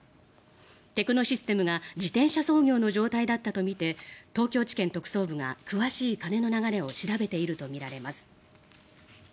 テクノシステムが自転車操業の状態だったとみて東京地検特捜部が詳しい金の流れを調べているとみられます。